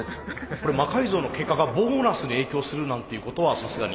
これ魔改造の結果がボーナスに影響するなんていうことはさすがに。